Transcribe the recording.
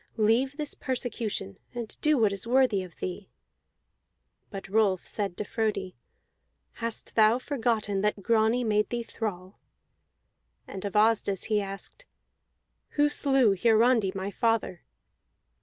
Leave this persecution and do what is worthy of thee." But Rolf said to Frodi: "Hast thou forgotten that Grani made thee thrall?" And of Asdis he asked: "Who slew Hiarandi my father?"